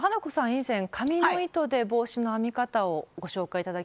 以前紙の糸で帽子の編み方をご紹介頂きましたよね。